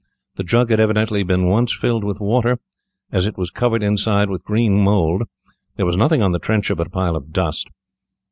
The jug had evidently been once filled with water, as it was covered inside with green mould. There was nothing on the trencher but a pile of dust.